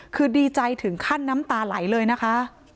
คือดีใจถึงขั้นน้ำตาไหลเลยนะคะ